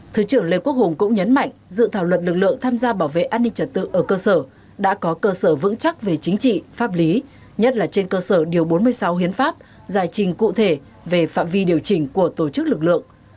thứ trưởng lê quốc hùng cũng nhấn mạnh dự thảo luật lực lượng tham gia bảo vệ an ninh trật tự ở cơ sở đã có cơ sở vững chắc về chính trị pháp lý nhất là trên cơ sở điều bốn mươi sáu hiến pháp giải trình cụ thể về phạm vi điều chỉnh của tổ chức lực lượng